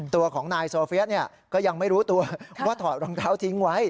ตัวของนายโซเฟียก็ยังไม่รู้ตัวว่าถอดรองเท้าทิ้งไว้